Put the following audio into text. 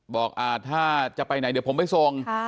บอกถ้าจะไปไหนเดี๋ยวผมไปส่ง